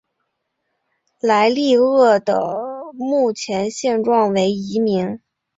莱利鳄的目前状态为疑名。